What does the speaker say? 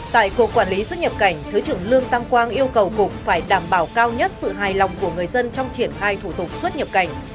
tại cuộc quản lý xuất nhập cảnh thứ trưởng lương tam quang yêu cầu cục phải đảm bảo cao nhất sự hài lòng của người dân trong triển khai thủ tục xuất nhập cảnh